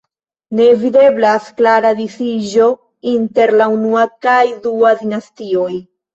Ne videblas klara disiĝo inter la unua kaj dua dinastioj.